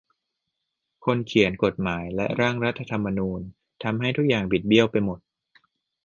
คนเขียนกฎหมายและร่างรัฐธรรมนูญทำให้ทุกอย่างบิดเบี้ยวไปหมด